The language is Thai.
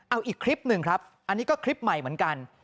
เอาอีกคลิปหนึ่งครับอันนี้ก็คลิปใหม่เหมือนกัน